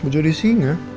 mau jadi singa